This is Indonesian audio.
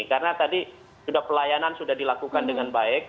karena tadi pelayanan sudah dilakukan dengan baik